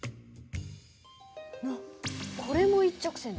あっこれも一直線だ。